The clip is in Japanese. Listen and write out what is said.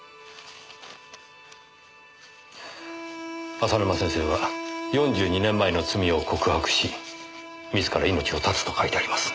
浅沼先生は４２年前の罪を告白し自ら命を絶つと書いてあります。